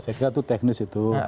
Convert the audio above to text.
saya kira itu teknis itu